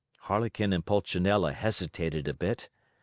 Harlequin and Pulcinella hesitated a bit.